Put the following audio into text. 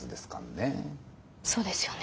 そうですよね。